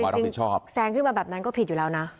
จริงแซงขึ้นมาแบบนั้นก็ผิดอยู่แล้วนะ